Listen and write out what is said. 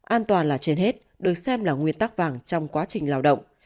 an toàn là trên hết được xem là nguyên tắc vàng trong quá trình lao động